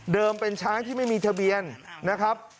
เป็นช้างที่ไม่มีทะเบียนนะครับ